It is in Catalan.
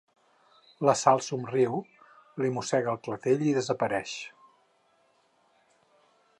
La Sal somriu, li mossega el clatell i desapareix.